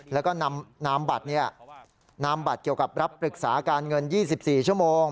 แล้วก็นำนำบัตรเนี่ยนำบัตรเกี่ยวกับรับปรึกษาการเงินยี่สิบสี่ชั่วโมง